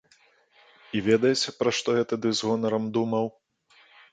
І ведаеце, пра што я тады з гонарам думаў?